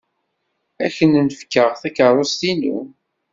Ad k-n-fkeɣ takeṛṛust-inu.